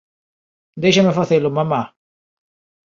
Déixame facelo, mamá!